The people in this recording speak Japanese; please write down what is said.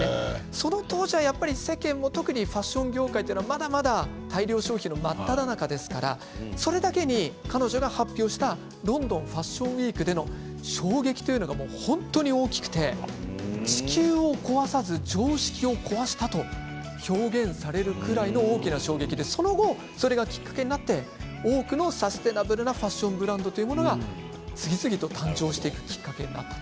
その当時は世間も特にファッション業界はまだまだ大量消費の真っただ中ですからそれだけに彼女が発表したロンドンファッションウイークでの衝撃というのは本当に大きくて地球を壊さず、常識を壊したと表現されるくらいの大きな衝撃でその後、それがきっかけになって多くのサスティナブルなファッションブランドというものが次々と誕生していくきっかけになったと。